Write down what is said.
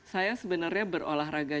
saya sebenarnya berolahraga